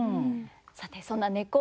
さてそんな根子